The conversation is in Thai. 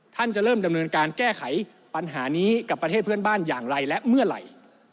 จะเริ่มดำเนินการแก้ไขปัญหานี้กับประเทศเพื่อนบ้านอย่างไรและเมื่อไหร่